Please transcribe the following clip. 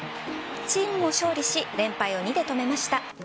チームも勝利し連敗を２で止めました。